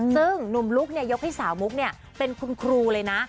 ซึ่งหนุ่มลุ๊กเนี่ยยกให้สาวมุ๊กเนี่ยเป็นคุณครูเลยนะ